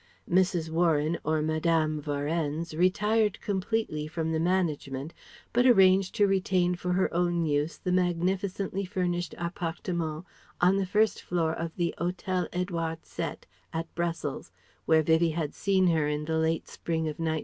Mrs. Warren or Mme. Varennes retired completely from the management, but arranged to retain for her own use the magnificently furnished appartement on the first floor of the Hotel Edouard Sept at Brussels, where Vivie had seen her in the late spring of 1909.